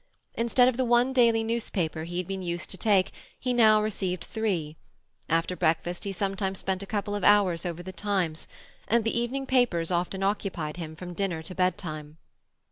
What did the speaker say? Instead of the one daily newspaper he had been used to take he now received three; after breakfast he sometimes spent a couple of hours over the Times, and the evening papers often occupied him from dinner to bedtime.